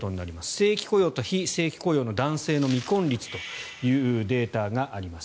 正規雇用と非正規雇用の男性の未婚率というデータがあります。